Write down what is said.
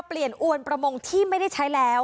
เปลี่ยนอวนประมงที่ไม่ได้ใช้แล้ว